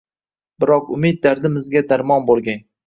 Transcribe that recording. Biroq umid dardimizga darmon boʼlgay